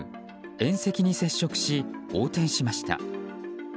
縁石に接触し、横転しました。